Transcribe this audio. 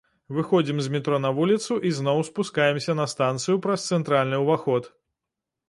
Выходзім з метро на вуліцу і зноў спускаемся на станцыю праз цэнтральны ўваход.